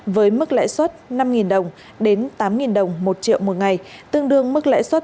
với mức lãi suất năm đồng đến tám đồng một triệu một ngày tương đương mức lãi suất